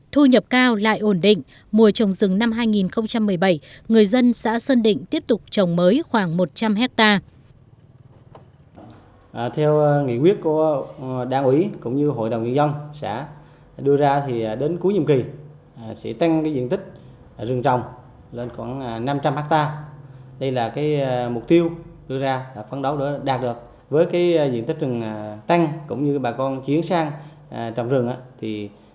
thu nhập cao lại ổn định mùa trồng rừng năm hai nghìn một mươi bảy người dân xã sơn định tiếp tục trồng mới khoảng một trăm linh hectare